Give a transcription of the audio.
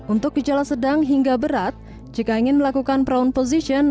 untuk gejala sedang hingga berat jika ingin melakukan brown position